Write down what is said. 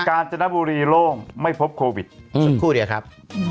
การจนบุรีโล่งไม่พบโควิดสักครู่เดียวครับ